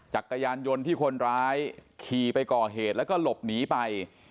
จักรยานยนต์ที่คนร้ายขี่ไปก่อเหตุแล้วก็หลบหนีไป